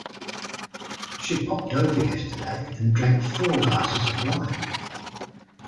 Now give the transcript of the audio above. She popped over yesterday and drank four glasses of wine!